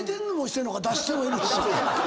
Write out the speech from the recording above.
出してもいるし。